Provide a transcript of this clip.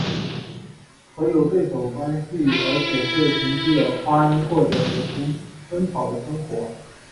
和有对手关系而且是同室的花音过着每天争吵的生活。